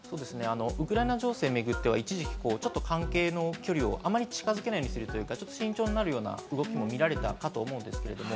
ウクライナ情勢を巡っては、一時、関係の距離をあまり近づけないようにするというか、慎重になる動きも見られたかと思うんですけれども。